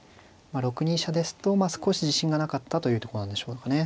６二飛車ですと少し自信がなかったというとこなんでしょうかね。